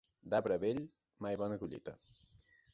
D'arbre vell, mai bona collita.